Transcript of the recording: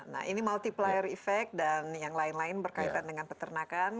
nah ini multiplier effect dan yang lain lain berkaitan dengan peternakan